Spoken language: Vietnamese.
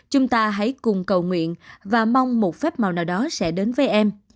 chúng ta hãy cùng cầu nguyện và mong một phép màu nào đó sẽ đến với em